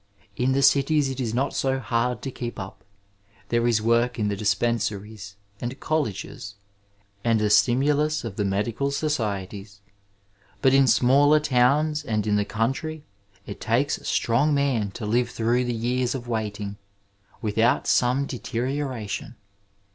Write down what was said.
In the cities it is not so hard to keep up : there is work in the dispensaries and colleges, and the stimulus of the medical societies ; but in smaller towns and in the country it takes a strong man to five through the years of waiting without some deteriora tion.